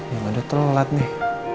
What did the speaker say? ya udah telat nih